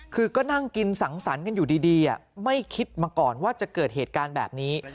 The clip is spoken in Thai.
คือก็นั่งกินสังสรรค์กันอยู่ดีไม่คิดมาก่อนว่าจะเกิดเหตุการณ์แบบนี้